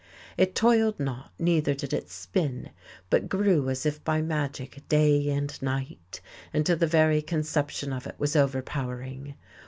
It toiled not, neither did it spin, but grew as if by magic, day and night, until the very conception of it was overpowering.